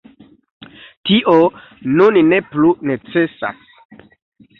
Tio nun ne plu necesas.